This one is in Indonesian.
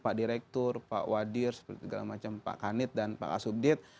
pak direktur pak wadir pak kanit dan pak asyubdid